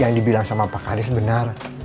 yang dibilang sama pak kari sebenar